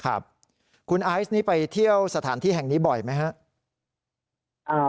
ครับคุณไอซ์นี่ไปเที่ยวสถานที่แห่งนี้บ่อยไหมครับ